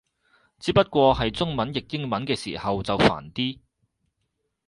只不過係中文譯英文嘅時候就煩啲